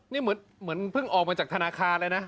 นี่เหมือนเพิ่งออกมาจากธนาคารเลยนะ